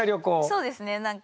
そうですねなんか。